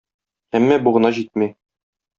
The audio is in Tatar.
Әмма бу гына җитми.